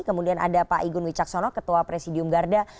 kemudian ada pak igun wicaksono ketua presidium garda